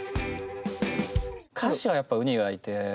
歌詞はやっぱウニがいて。